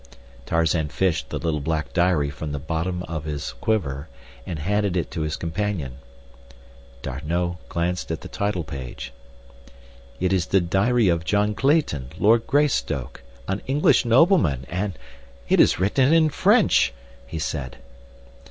Tarzan fished the little black diary from the bottom of his quiver, and handed it to his companion. D'Arnot glanced at the title page. "It is the diary of John Clayton, Lord Greystoke, an English nobleman, and it is written in French," he said.